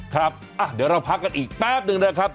ครับเดี๋ยวเราพักกันอีกแป๊บนึงนะครับ